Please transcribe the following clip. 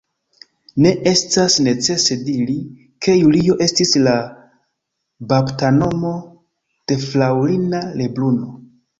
Ne estas necese diri, ke Julio estis la baptanomo de Fraŭlino Lebruno.